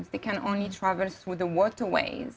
mereka hanya bisa berjalan di kawasan air